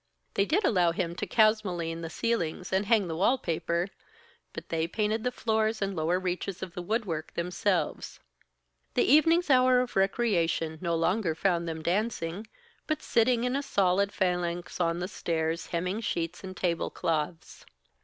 They did allow him to kalsomine the ceilings and hang the wall paper; but they painted the floors and lower reaches of woodwork themselves. The evening's hour of recreation no longer found them dancing, but sitting in a solid phalanx on the stairs hemming sheets and tablecloths.